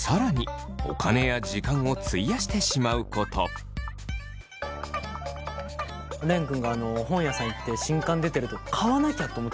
それはれん君が本屋さん行って新刊出てると「買わなきゃ」と思っちゃうんだって。